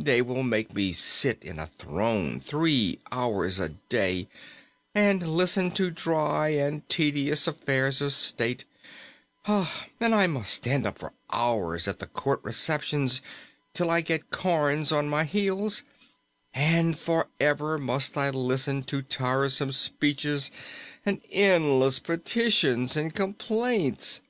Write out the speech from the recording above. They will make me sit in a throne three hours a day and listen to dry and tedious affairs of state; and I must stand up for hours at the court receptions, till I get corns on my heels; and forever must I listen to tiresome speeches and endless petitions and complaints!"